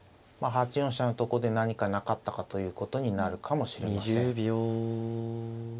８四飛車のとこで何かなかったかということになるかもしれません。